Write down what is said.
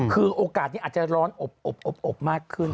คือโอกาสนี้อาจจะร้อนอบมากขึ้น